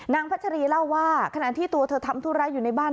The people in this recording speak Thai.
นางพัชรีเล่าว่าขนาดที่ตัวเธอทำทัวร้ายอยู่ในบ้าน